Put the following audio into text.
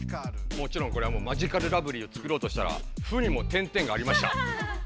もちろんこれは「まぢかるらぶりー」を作ろうとしたら「ふ」にも点点がありました。